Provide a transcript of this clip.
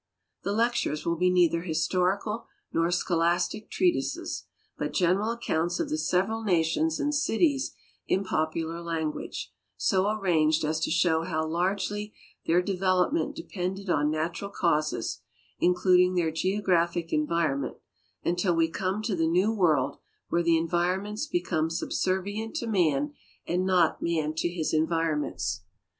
The lectures will be neither historical nor scholastic treatises, but general accounts of the several nations and cities in popular language, so arranged as to show how largely their development depended on natural causes, including their geographic environment, until we come to the New World, where the environments become subservient to man and not man to his environments.